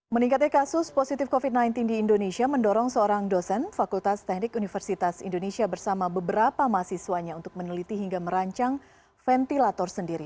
meningkatnya kasus positif covid sembilan belas di indonesia mendorong seorang dosen fakultas teknik universitas indonesia bersama beberapa mahasiswanya untuk meneliti hingga merancang ventilator sendiri